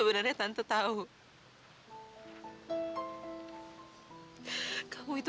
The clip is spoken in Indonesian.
dengar peng oggi itu